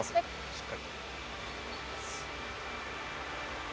しっかり。